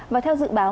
và theo dự báo